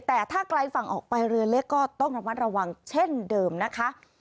แต่ถ้ากลายฝั่งไปเร็วก็ต้องระวังเช่นเดิมนะคะ